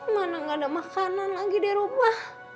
mana nggak ada makanan lagi di eropa